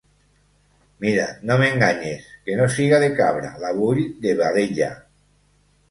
Mira, no m’enganyes, que no siga de cabra, la vull de vedella.